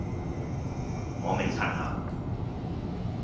我未刷牙